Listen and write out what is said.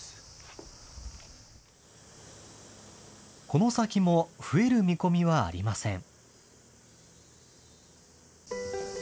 この先も増える見込みはありません。